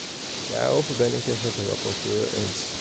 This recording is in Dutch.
Daarover ben ik het met de rapporteur eens.